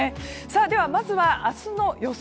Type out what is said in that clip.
ではまずは明日の予想